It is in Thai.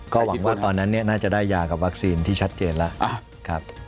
ก็หวังว่าตอนนั้นน่าจะได้ยากับวัคซีนที่ชัดเจนแล้วครับ